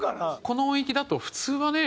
この音域だと普通はね